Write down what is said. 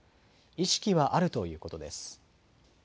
意識はあるということです。